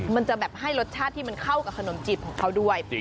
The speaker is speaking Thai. มันจะแบบให้รสชาติที่มันเข้ากับขนมจีบของเขาด้วย